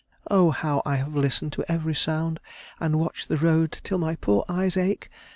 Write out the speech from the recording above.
Oh, how I have listened to every sound, and watched the road till my poor eyes ache!